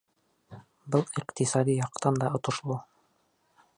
Был иҡтисади яҡтан да отошло.